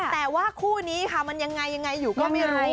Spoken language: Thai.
แต่ว่าคู่นี้ค่ะมันยังไงยังไงอยู่ก็ไม่รู้